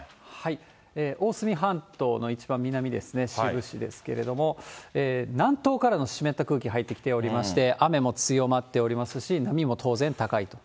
大隅半島の一番南ですね、志布志ですけれども、南東からの湿った空気入ってきておりまして、雨も強まっておりますし、波も当然高いと。